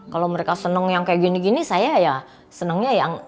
ya seneng yang kayak gini gini saya ya senengnya yang